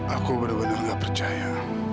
aku benar benar gak percaya